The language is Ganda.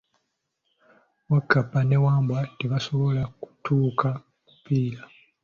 Wakkapa ne Wambwa tebasobola kutuuka mupiira.